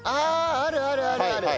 あるあるあるある！